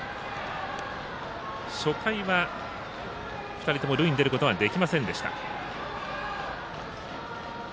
初回は２人とも塁に出ることはできませんでした。